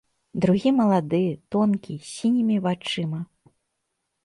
Другі малады, тонкі, з сінімі вачыма.